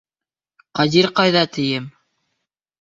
Ҡадир ҡайҙа, тием!